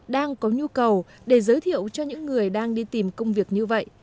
đang có nhu cầu để giới thiệu cho những người đang đi tìm công việc như vậy